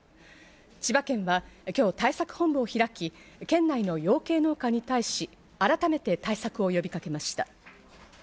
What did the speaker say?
千葉県は今日、対策本部を開き、県内の養鶏農家に対し改めて対策を呼びかけました。